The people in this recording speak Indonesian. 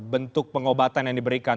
bentuk pengobatan yang diberikan